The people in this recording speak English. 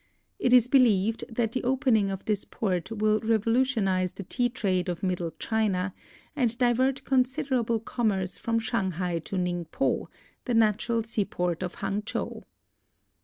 It is believed that the opening of this port will revolutionize the tea trade of middle China, and divert consider able commerce from Shanghai to Ningpo, the natural seaport of Hang chow.